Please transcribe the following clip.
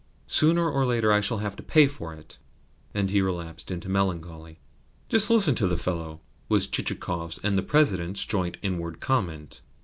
Sooner or later I shall have to pay for it." And he relapsed into melancholy. "Just listen to the fellow!" was Chichikov's and the President's joint inward comment.